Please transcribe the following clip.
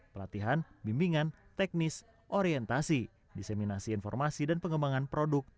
pelatihan bimbingan teknis orientasi diseminasi informasi dan pengembangan produk